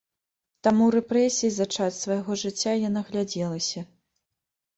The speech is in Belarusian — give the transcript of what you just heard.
Таму рэпрэсій за час свайго жыцця я наглядзелася.